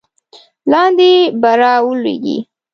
لاندې به را ولویږې.